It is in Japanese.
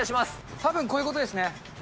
たぶん、こういうことですね。